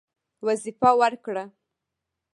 وظیفه ورکړه.